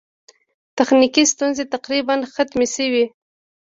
تخنیکي ستونزې تقریباً ختمې شوې.